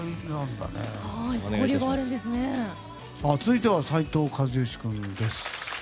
続いては斉藤和義君です。